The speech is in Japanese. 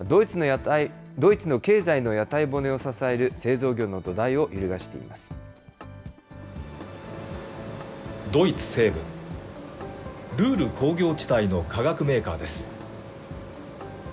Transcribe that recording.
ドイツの経済の屋台骨を支える製ドイツ西部、ルール工業地帯の化学メーカーです。